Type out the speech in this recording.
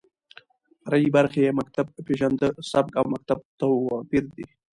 فرعي برخې يې مکتب پېژنده، سبک او مکتب تواپېر دى.